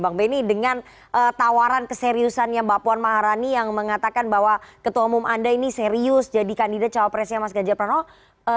bang benny dengan tawaran keseriusannya mbak puan maharani yang mengatakan bahwa ketua umum anda ini serius jadi kandidat cawapresnya mas ganjar pranowo